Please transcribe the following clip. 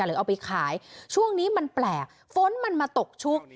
หรือเอาไปขายช่วงนี้มันแปลกฝนมันมาตกชุก